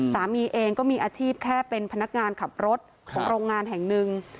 สามีเองก็มีอาชีพแค่เป็นพนักงานขับรถของโรงงานแห่งหนึ่ง